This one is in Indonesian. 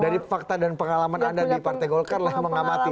dari fakta dan pengalaman anda di partai golkar lah mengamati